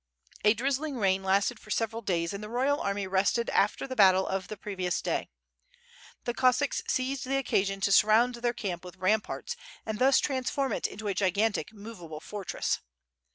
A drizzling rain lasted for several days and the royal army rested after the battle of the previous day. The Cossacks seized the occasion to surround their camp with ramparts and thus transform it into a gigantic, moveable fortress.